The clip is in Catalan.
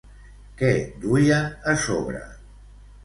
Què duien a sobre?